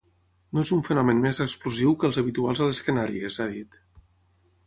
“No és un fenomen més explosiu que els habituals a les Canàries”, ha dit.